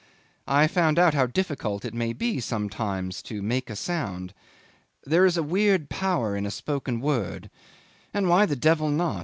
I found out how difficult it may be sometimes to make a sound. There is a weird power in a spoken word. And why the devil not?